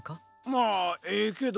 まあええけど。